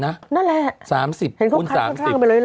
นั่นแหละเห็นเข้าข้างไปร้อยสามสิบคุณสามสิบ